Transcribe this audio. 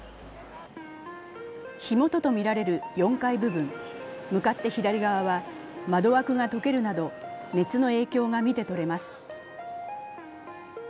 火元とみられる４階部分、向かって左側は窓枠が溶けるなど熱の影響が見てとれます。